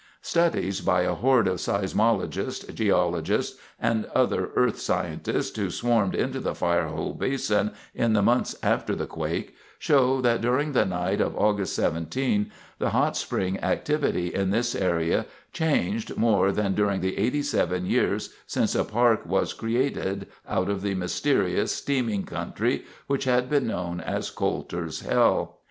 Studies by a horde of seismologists, geologists and other earth scientists who swarmed into the Firehole Basin in the months after the quake show that during the night of August 17 the hot spring activity in this area changed more than during the 87 years since a park was created out of the mysterious, steaming country which had been known as "Coulter's Hell."